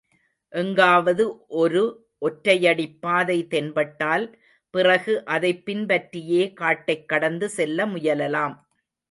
எங்காவது ஒரு ஒற்றையடிப்பாதை தென்பட்டால் பிறகு அதைப் பின்பற்றியே காட்டைக் கடந்து செல்ல முயலலாம்.